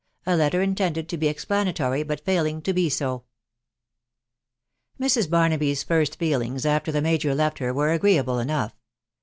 — A LETTER INTENDED ID B EXPLANATORY, BUT FAILING TO BE SO. Mrs. Barnaby's first feelings after the major left her wen agreeable enough.